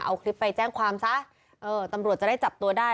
เอาคลิปไปแจ้งความซะเออตำรวจจะได้จับตัวได้